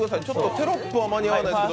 テロップは間に合わないですけど。